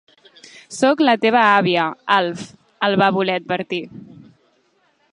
Soc la teva àvia, Alf —el va voler advertir.